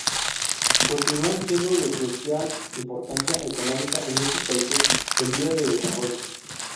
Continúan siendo de crucial importancia económica en muchos países en vías de desarrollo.